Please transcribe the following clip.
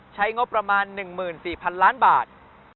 ใช้งบประมาณ๑๔๐๐๐ล้านบาท